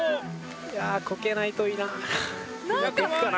やこけないといいな。